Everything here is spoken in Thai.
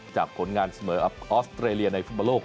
จากผลงานสมมุติออสเตรเลียในฟุตมันโลก